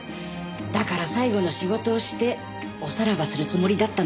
だから最後の仕事をしておさらばするつもりだったんだけどね。